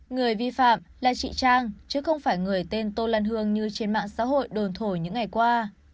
người vi phạm là chị trang chứ không phải người tên tô lân hương như trên mạng xã hội đồn thổi những ngày qua